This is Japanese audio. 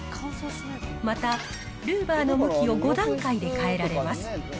また、ルーバーの向きを５段階で変えられます。